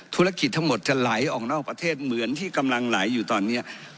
ธุรกิจทั้งหมดจะไหลออกนอกประเทศเหมือนที่กำลังไหลอยู่ตอนนี้